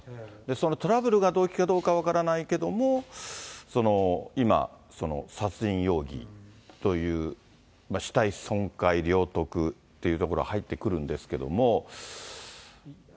そのトラブルが動機かどうか分からないけれども、今、その殺人容疑という、死体損壊、領得というところ入ってくるんですけれども。